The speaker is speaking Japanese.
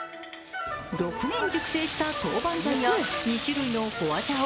６年熟成したトウバンジャンや２種類のホアジャオ